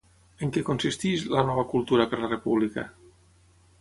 En què consisteix La nova cultura per la república?